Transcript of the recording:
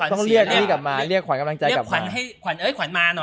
ต้องเรียกขวัญกำลังใจกลับมา